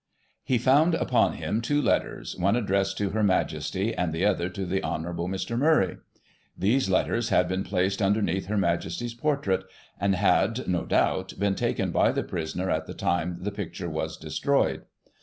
He found upon him two letters, one addressed to Her Majesty, and the other to the Hon. Mr. Mturray. These letters had been placed underneath Her Majest/s portrait, and had, no doubt, been taken by the prisoner at the time the picture was destroyed.